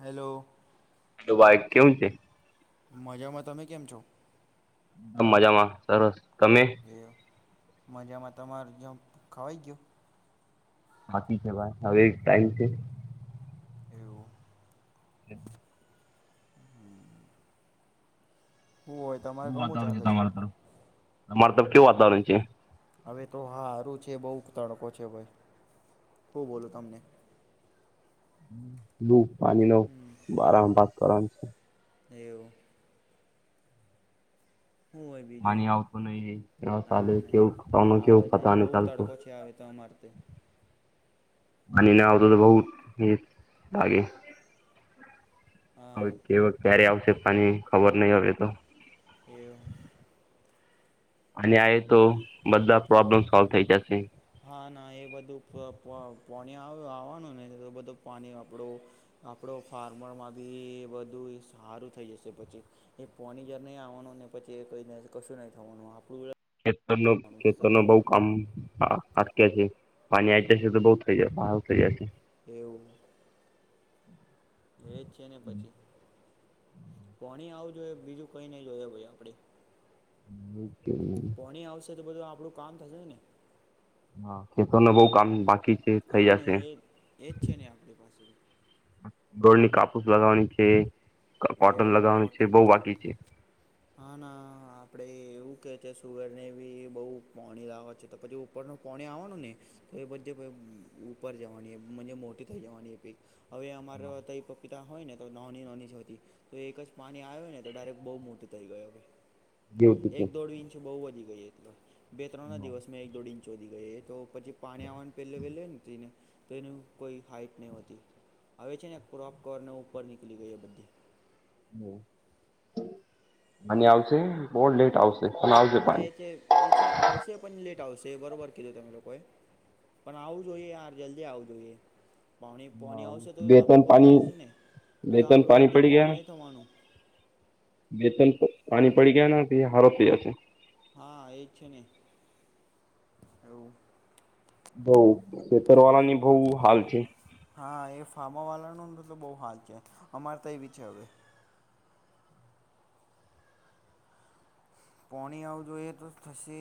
Hello. કેમ છે. મજામાં તમે કેમ છો? મજામાં સરસ તમે એ મજામાં તમાર જે ખવાઈ ગયયો બાકી છે ભાઈ હવે ટાયું છે. એવું. હમ. શું હોય તમારે એવું કમું વાતાવરણ છે ચાલે તમાર ત્યાં? તરફ કેવું વાતાવરણ છે? હવે તો હાારું છે બહુ તડકો છે ભાઈ, શું બોલ તમને. બ પાણી નો બારમ ભાગ કરવાનું છે. એવું. શું હોય બીજું પાણી આવતું નહિ હા ચલે નહીં કેવું કેવું પતા ન ચાલતું. મારતી. માનીને આવતો તો બહ એ લાગે. હા હવે કેવ ક્યારે આવશે પાણી ખબર નહી આવે તો. એવુ. અને આ તો બધા પ્રોબ્લેમ હા સોલ્વ થઈ જશે. હા એ બધું પાણી આવ આવવાનું ને તો બધું પાણી આપડું, આપડ ફાર્મરમાં બી એ બધું સારું થઈ જશે પછી, એ પોની જર નહીં આવવાનું ને પછી કશું નહી થવાનું આપણું. ખેતર ન વાનું ખેતર ન તમને બહ કામ હા. અટકે છે, પાણી આવી જશે તો બઉુ થઈ જ બાર થઈ જશે. એવું, એજ છે ને પછી. પોણી આવું જોઈ બીજું કઈ નઈ જોય ભાઈ આપડી. હ. [unintelligible] છે તો બધું આપણું કામ થશે ને. હા ખેતને બઉ કામ બાકી. છે થઈ હા નને જશે એ એજ છે નને આપણી પાસે. ગોળની કાપૂસ લગાવવાની છે. કોટન એવું લગાવવાનું છે કોટન બહ બાકી છે. આપણે એવું કે છે સુવેર ને બી બહુ પાણી લાવવા છે તો પછી ઉપરનું પાણી આવવાનું ને. તો એ બધી કોઈ ઉપર જવાની મોટી થઈ જવાની એ પીક. હવે અમારા તો એ પપીતા હોય ને તો નાની નોની જ હોતી. તો એક જ પાણી આવ્યો ને તો ડાયરેક્ટ બહુ મોટો થઈ ગયો ભ. જેવું છે એક દોઢ ઇંચ બઉુ વધી ગઈ એટ, બે ત્રણ ના દિવસ મેં એક દોઢ ઇંચ વધી ગઈ એ તો પછી પાણી આવવાનું પહેલે પહેલેને, તો એનું કોઈ હાઈટ નહ હોતી. આવે છે ને ક્રોપ કવર ને ઉપર નીકળી ગયો બધે. આની આવશે બહ લેટ આવશે. પણ આવશે હા એ પાણી છે એ છે આવશે પણ લેટ બરોબર કીધું તમે લોકોએ, પણ આવું જોઈએ યાર જલ્દી આવું જોઈએ. પાણી પોણી આવશે તો બે ત્રણ આપણું બધું પાણી થશે ને, ન બે તો ત્રણ આપણું પાણી બધું કોમ નહીં થવાનું. વતન પાણી પડી ગયા હારો થઈ જશે. હા એજ છે ને, એવું. બઉ ખેતરવાળા ની બહ હાલ છે. હા એ ફાર્મા વાળા ન તો બહુ હાલ છે, અમારે તો એવી છે હવે. પોણી આવજો એ તો થશે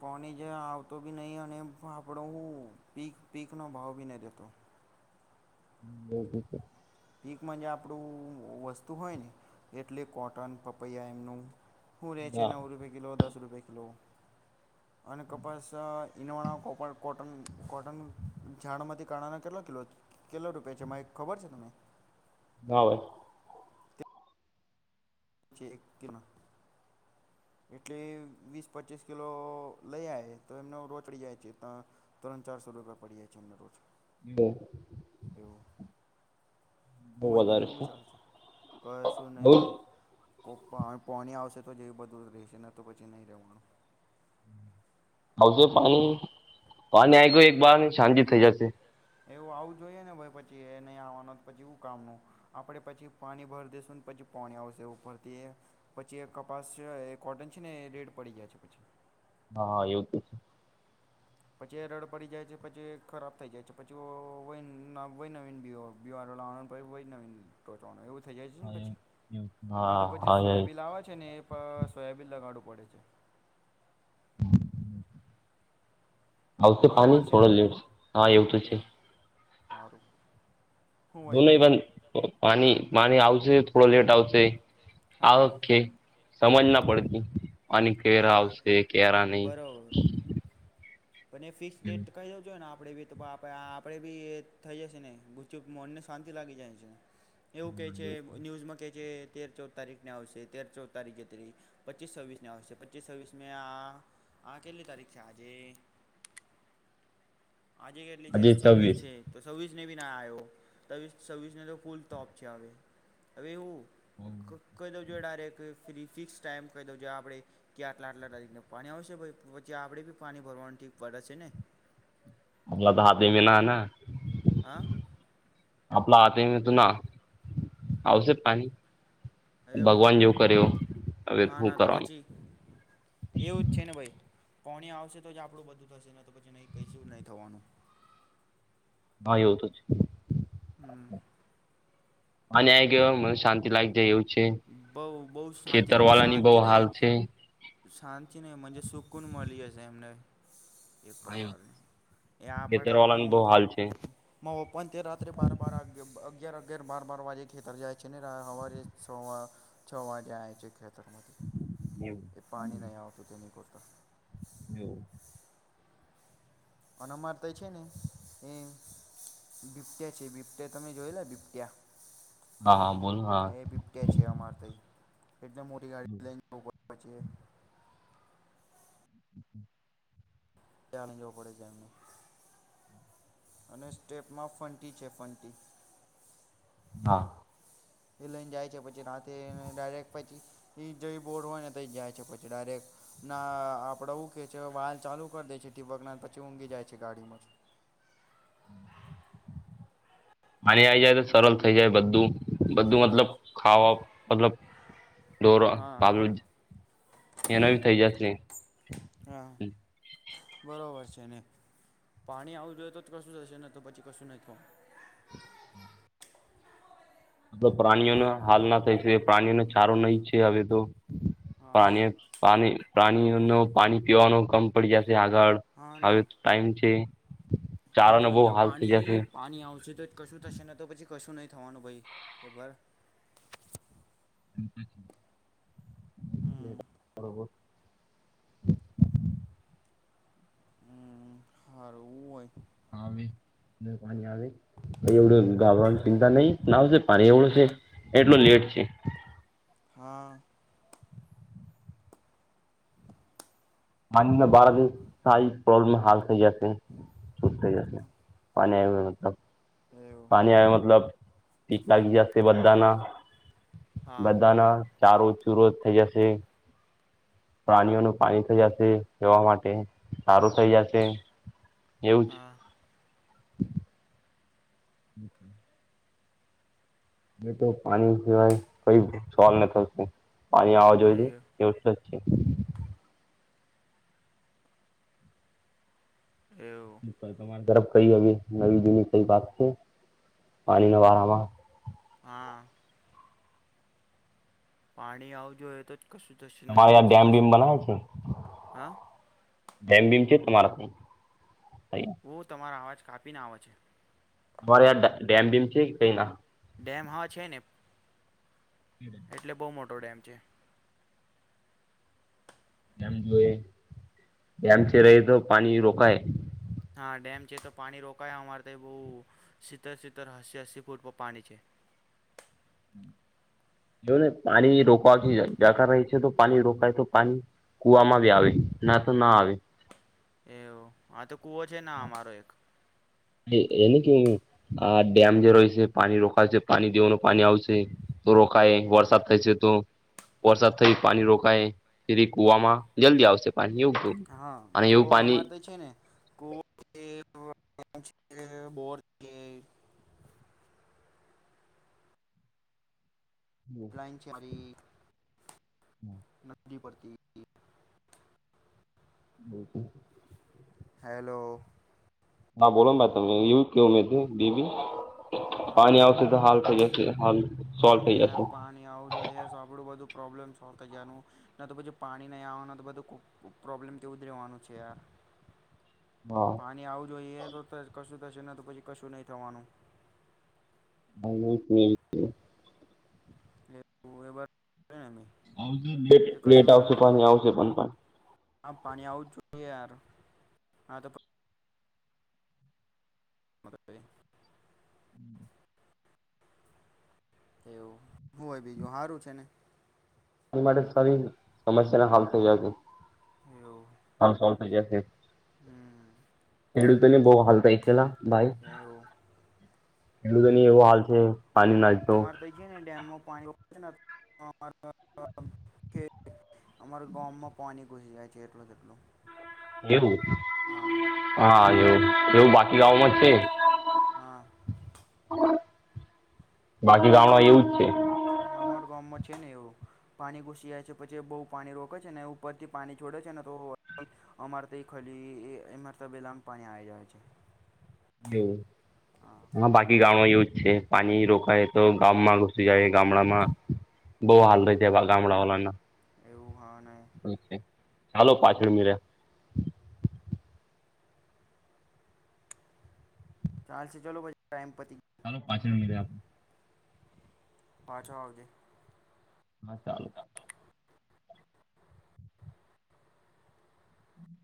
પોણી જ આવતો બી નહી અને આપડો હું પીક પીકનો ભાવ બી નહી રહેેતો. ના એકમાં જે આપણું વસ્તુ હોય ને, એટલે કોટન પપૈયા એમનું. હ રહે છે ના નવ રૂપે કિલો દસ રૂપે કિલો. અને કપાસ ઇવા કોટ કોટન ઝાડમાંથી કાણાના કેટલા કલો કેટલો રૂપિયા છે મા ખબર છે તને? હ. ચ એક કના. એટલી વીસ પચીસ કિલો લઈ આ તો એમને રોચડી જાય છે, તરણ ચાર સો રૂપિયા પડી જાય છે રોજ. હ. એવું. બહુ હું વધારે બીજું છે ચાાલ કહે શું નહી બઉ ભાઈ કોઈ પા પોણી આવશે તો જેવ બધું રહેશેને તો પછી નહીં રહેવાનું આવશે પાણી પાણી આવી ગયું એક બાર શાજિ થઈ જશે એવું આવું જોઈએ ને પછી એ નહી આવવાનું પછી એું કામનું આપડે પછી પાણી ભર દઈસુંને પછી પાણી આવશે ઉપરથી પછી કપાસ એ કોટન છે ને એ રેડ પડી જાય છે પછી હા હા એવું તો છે પછી એ રડ પડી જાય છે પછી ખરાબ થઈ જાય છે પછી વ વય નવીની ર વી થઈ જાય ને પછી ના હા તો પછી હા સોયાબીન લવા છે ને એ સોયાબીન લગાડું વળે છે આવશે પાણી બરોબર થોડો લેવશે હા એવું તો છે હરું દો નહી પણ પાણી પાણી આવશે થોડો લેટ આવશે હા ઓકે સમજ ના પડતી આની કેરા હા એ આવશે કેરા નહી બરોબર પણ એ ફિક્સ ડેટ કહી દોજો ને આપ આપણેે બી તો આપ આપડે બી એ થઈ જશે ને ગુચ મનને શાંતિ લાગી જાય છેને એવું કે છે ન્યુઝમાં કે જે તેર ચૌદ તારીખ ને આવશે તેર ચૌદ તારીખે પચીસ છવ્વીસ આવશે પચીસ છવ્વીસ મે આ આ કેટલી તારીખ છે આજે આજે કેટલી છે છવ્વીસ છે તો છવ્વીસ ને બી ના આવ્યો ત છવ્વીસને તો ફૂલ ટપ છે હવે હવે એવું કોઈ દ ડક ફ ફિક્સ ટાઈમ કહી દ આપે કે આટલા આટલા દકને પાણી આવશે પછી આપણે પાણી ભરવાનું ઠીક પડે છે ને આપલા તો હાથે મી ના હ આપલા હથે તોું ના આવશે પાણી એવું ભગવાન જેવું કરેવ હા ના તો પછી એવું છે ને ભાઈ કોણ આવશે તો જ આપણું બધું થશે ન તો પછી નહી કશ નહી થવાનું ભાઈ હો તો જ હમ આ ન્યાય કે મ શાંતિ લયક જાય એવું છે બહ બહ શાંતિ ખેતર વાળાની બહુ શાંતિ નહ હાલ છે શાંતિને સુકન મળી જશે એમને એક પ્રકારની એ ખેતર આપડા વાળાની બહુ હાલ છે ઓપ તે રાત્રે બાર બાર અગિયાર અગિયાર બાર બાર વાગે ખેતર જાય છે ને સવારે છ છ વાગેાય છે ખેતર એ પાણી નહીં આવતું તેની પત હ અનેન અમાર તો એ છે ને એ બિપટિયા જેવી, બિબટિયા તમે જોયેલા બિબટિયા હા હા બોલો હા એ બિબટે છે અમારે તઈ એટલે મોટી ગાડી લઈ જવું પડે બાજએ ત્યા ન જવું પડે છે એમને અને સ્ટેપમાં ફંટી છે ફંટી હા એ લઈને જાય છે પછી રાતે ડાયરેક્ટ પછી એ જઈ બોડ હોય ને તઈ જાય છે પછી ડાયરેક્ટ ના આપડે હું કે છે વાલ ચાલુ કરી દે છે ટીબક ના પછી ઊંઘી જાય છે ગાડીમાં પાની આઈ જાય તો સરળ થઈ જાય બધું જ બધું એ મતલબ, ખાવા મતલબ હા દોરા [inaudible] થઇ જાશે ને, હા બરોબર છે ને, પાણી આવું જોઈએ તો કશું થશે ન તો પછી કશું નઈ કવ પ્રાણીઓને હાલ ના થાય છે. પ્રાણીઓને ચારો નહી છે હવે તો, હા પ્રાણી પાણી, પ્રાણી ઓનો પાણી પીવાનો કમ પડી જાય આગળ હા ના હ [inaudible] ટાઈમ છે. આવું ચારાનો બહુ જોઈએ. હાલ થઈ પાણી જશે પાણી, આવશે તો કશું થશેને તો પછી કશું નહી થવાનું ભઈ, એ બર હમ બબ [inaudible] હમ હારૂ હુ હોય? અમે પાણી આવે એવડું ગાવન ચિંતા નહી આવશે પાણી એવડું છે. એટલું લેટ છે. હા! [inaudible] બારા દ સારી પ્રોબ્લેમ હાલ થઈ જ છૂટ થઈ જશે પાણી આવ્યુ, મતલબ એવું પાણી આ મતલબ [inaudible] જાતે બધાના હા બધાના ચારો ચુરો જ થઇ જશે. પ્રાણીઓનું પાણી થઈ જશે એેવા માટે સારું થઈ જશે. એવું જ હા બ [unintelligible] મે તો પાણી સિવાય કઈ સોલ ન થી પાણી આવવા હા એ જોઈ કે, એવું તમારી તરફ? કઈ હવે નવી જુની કઈ વાત છે, પાણીના વાળામાં? હા પાણી આવજો તો જ કશું થશે, નને તમારે તો યાર પછી ડેમ બીમ કશું ન, હા? જેમ ભીમ છે તમારા [inaudible] બહુ તમારા અવાજ કાપીને આવે છે. તા ડેમ બીમ છે કઈ ના? ડેમ હવા છે ને. એટલે બહુ મોટો ડેમ છે. જોઈએ, ડેમ છે રહે તો પાણી રોકાય. હા ડેમ છે તો પાણી રોકાય અમારે તો બહુ સિતેર સિતેતર અસ્સી અસ્સી ફૂટ પર પાણી છે જો ને પાણી રોકવાથી જતા રહી છે, તો પાણી રોકાય તો પાણી? કુવા માં બી આવે, ના તો ના આવે. એમ આ તો કુવો છે, ના અમારો એક. એને કેવું આ ડેમ જે રોય છે. પાણી રોખાય છે પાણી દેવાનું પાણી આવશે. તો રોખાય વરસાદ થાય છે તો, વરસાદ થઈ પાણી રોકાય, ફરી કુવામાં જલ્દી આવશે પાણી એવું કેવું હા અને તો એવું પાણી અમારે તો છે ને [unintelligible] બોર છે [inaudible] છેરી હમ [inaudible] [inaudible] પડતી બ તો [unintelligible] હેલો! બોલો ને ભાઈ તમે એવું કેવ ઉમે બેબી? પાણી હા આવશે, તો હાલ થઈ જશે હાલ હા સોલ્વ થઈ યાર જશે પાણી આવું જોઈએ તો આપણું બધું પ્રોબ્લેમ સોલ્વ થઈ જવાનું ન, તો પછું પાણી નહીં આવવાનું તો બધું ખૂ પ્રોબ્લેમ તેવું જ રહેવાનું છે, યાર. હા [unintelligible] પાણી આવું જોઈએ તો કશું થશે, તો પછી કશું નહીં થવાનું. [unintelligible] એ બરાબર. ને મેં કે લેટ કશું આવશે, ગલત બોલ પણ આવશે પણ પાણી. હા પાણી આવવું જ યાર, હા તો. મરેવે [unintelligible] હમ. એવું હું હોય, બીજું સારું છે ને? એની માટે સારી સમસ્યા ના હાલ થઈ જાય છે. એવું થઈ જાય છે. હમ. ખેડૂતો ને બહુ હાલ થાય છેલ્લા ભાઈ. એવું એલું તો ન એવો હમ હાલ છે, પાણી ના તો. અમારે છે ને ડેમમાં [unintelligible] અમારા ગામમાં પાણી ઘુસી જાય છે, એટલે જેટલું એવું, હા એવું. એવું બાકી ગામમાં જ છે. હા. એ બાકી ગામમાં પાણી એવું જ છે અમાર ગામમાં છે ને એવું. પાણી ઘૂસી જાય છે, પછી બહુ પાણી રોકે છે ને ઉપર થી પાણી છોડે છે ને, તો અમારે તો ખ એ તબેલામાં પાણી આવી જાય છે. એવું હા, બાકી ગામમાં એવું. છે પાણી રોકાય તો ગામમાં ઘુસી જાય, ગામડામાં. બહુ હાલ એવું ર છે એવા ગામડાઓલાના એવું હા ને [unintelligible] ચાલો, પાછા મળીએ. ચાલો, પછી વાત કરે ટાઈમ પતી ગયા. ચાલો, પાછળ મળી એ આપ. પાછો આવજે. હા, ચાલ. હમ.